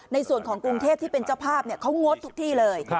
ในส่วนของกรุงเทพที่เป็นเจ้าภาพเขางดทุกที่เลย